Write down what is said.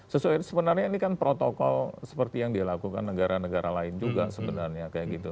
sebenarnya ini kan protokol seperti yang dilakukan negara negara lain juga sebenarnya